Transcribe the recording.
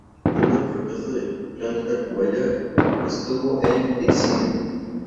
Debido al fracaso del Plan de Tacubaya estuvo en exilio.